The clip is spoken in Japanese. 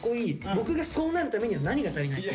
僕がそうなるためには何が足りないか。